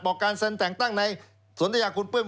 บอกการแสนแต่งตั้งในศนตยาคุณเปิ้ม